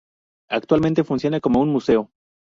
Actualmente funciona como un Museo.